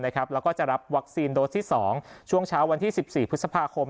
แล้วก็จะรับวัคซีนโดสที่๒ช่วงเช้าวันที่๑๔พฤษภาคม